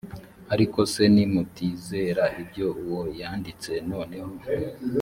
ariko se nimutizera ibyo uwo yanditse noneho